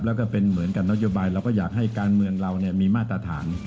แล้วก็เป็นเหมือนกับนโยบายเราก็อยากให้การเมืองเรามีมาตรฐาน